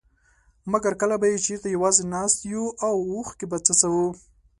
مګر کله به بيا چېرته يوازي ناست يو او اوښکي به څڅوو.